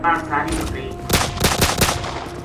واہ ساری مکئی بڈھی